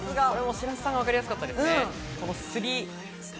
白洲さんが分かりやすかったですね。